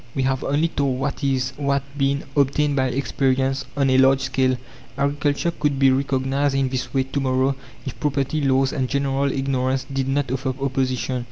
We have only told what is, what been, obtained by experience on a large scale. Agriculture could be reorganized in this way to morrow if property laws and general ignorance did not offer opposition.